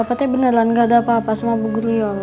bapak tuh beneran nggak ada apa apa sama bu guryola